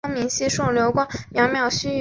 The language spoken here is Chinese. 首府多里。